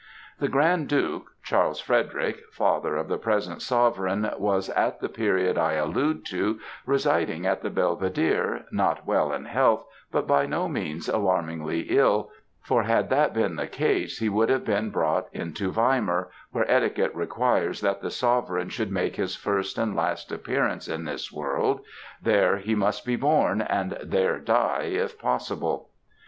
"The Grand Duke, Charles Frederick, father of the present sovereign, was, at the period I allude to, residing at the Belvedere not well in health, but by no means alarmingly ill, for had that been the case he would have been brought into Weimar, where etiquette requires that the sovereign should make his first and last appearance in this world there he must be born, and there die, if possible.